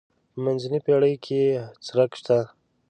په منځنۍ پېړۍ کې یې څرک شته.